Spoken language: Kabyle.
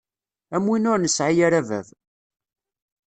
Am win ur nesɛi ara bab.